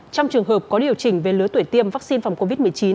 trong trường hợp có điều chỉnh về lứa tuổi tiêm vaccine phòng covid một mươi chín